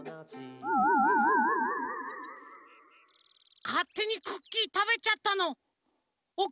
かってにクッキーたべちゃったのおこってるのかも。